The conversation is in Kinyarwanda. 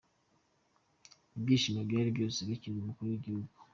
Ibyishimo byari byose bakira umukuru w'igihugu.